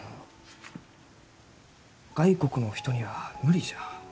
外国のお人には無理じゃ。